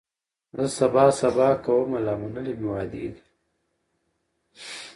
زه سبا سبا کومه لا منلي مي وعدې دي